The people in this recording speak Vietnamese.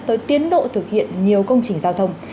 tới tiến độ thực hiện nhiều công trình giao thông